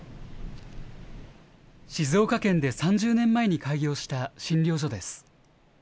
静岡県で３０年前に開業した診療所です。